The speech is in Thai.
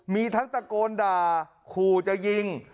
มีทั้งตะโกนด่าขู่จะยิง